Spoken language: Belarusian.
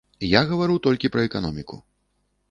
Я гавару толькі пра эканоміку.